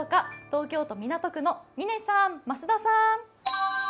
東京都港区の嶺さん、増田さん。